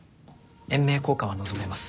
延命効果は望めます。